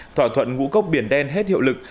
thỏa thuận ngũ cốc biển đen hết hiệu lực